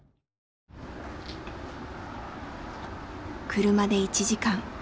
車で１時間。